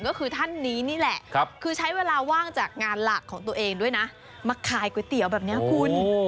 ก็คือท่านนี้นี่แหละคือใช้เวลาว่างจากงานหลักของตัวเองด้วยนะมาขายก๋วยเตี๋ยวแบบนี้คุณ